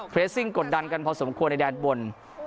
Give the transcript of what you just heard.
ซิ่งกดดันกันพอสมควรในแดนบน